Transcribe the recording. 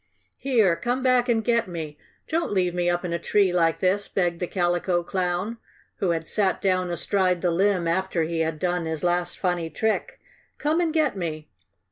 "Here! Come back and get me! Don't leave me up in a tree like this!" begged the Calico Clown, who had sat down astride the limb after he had done his last funny trick. "Come and get me!"